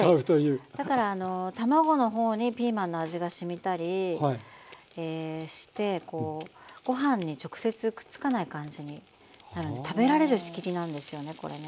はいだからあの卵のほうにピーマンの味がしみたりしてご飯に直接くっつかない感じになるんで食べられる仕切りなんですよねこれね。